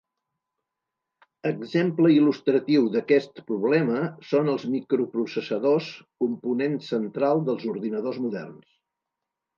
Exemple il·lustratiu d'aquest problema són els microprocessadors, component central dels ordinadors moderns.